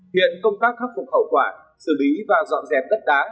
hiện công tác khắc phục hậu quả xử lý và dọn dẹp đất đá